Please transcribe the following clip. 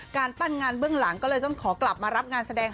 การปั้นงานเบื้องหลังก็เลยต้องขอกลับมารับงานแสดง